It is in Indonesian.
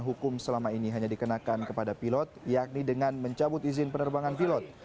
hukum selama ini hanya dikenakan kepada pilot yakni dengan mencabut izin penerbangan pilot